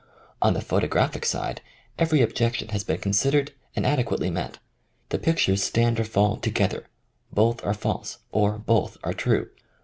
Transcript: On the photo graphic side every objection has been consid ered and adequately met. The pictures stand or fall together. Both are false, or both are true.